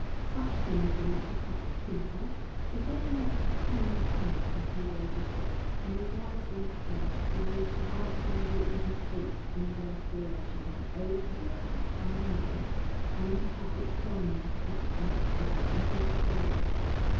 Such things did not affect Peter; he felt not the pangs of hunger as he read his books, and he vastly preferred to use the white and the yolk of an egg in the restoration of an old leather binding than to have it solemnly cooked and thrust into his belly.